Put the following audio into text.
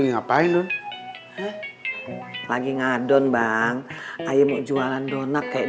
kau sampai kebobolan bagaimana sih